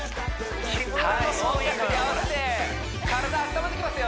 はい合わせて体温まってきますよ